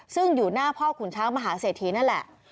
ซึ่งอยู่หน้าพ่อขุนช้างมหาเศรษฐีนั่นแหละ